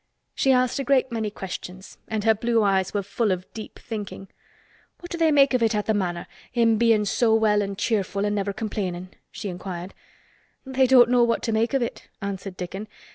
She asked a great many questions and her blue eyes were full of deep thinking. "What do they make of it at th' Manor—him being so well an' cheerful an' never complainin'?" she inquired. "They don't know what to make of it," answered Dickon.